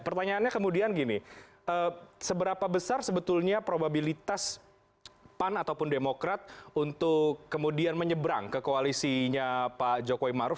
pertanyaannya kemudian gini seberapa besar sebetulnya probabilitas pan ataupun demokrat untuk kemudian menyeberang ke koalisinya pak jokowi maruf